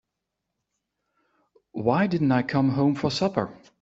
Why didn't I come home for supper?